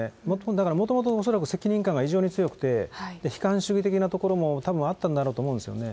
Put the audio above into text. だからもともと恐らく責任感が異常に強くて、悲観主義的なところもたぶんあったんだろうと思うんですよね。